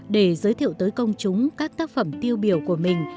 để giới thiệu tới công chúng các tác phẩm tiêu biểu của mình